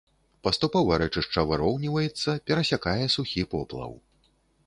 Паступова рэчышча выроўніваецца, перасякае сухі поплаў.